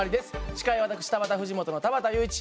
司会は私田畑藤本の田畑祐一。